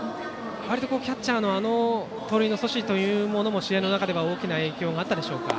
わりとキャッチャーのあの盗塁阻止も試合の中では大きな影響があったでしょうか。